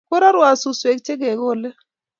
Korarwo suswek che kekole